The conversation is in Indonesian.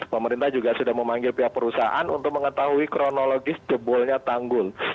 pemerintah juga sudah memanggil pihak perusahaan untuk mengetahui kronologis jebolnya tanggul